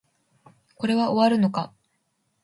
これは終わるのか